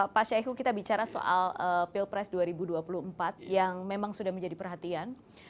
pak syahiku kita bicara soal pilpres dua ribu dua puluh empat yang memang sudah menjadi perhatian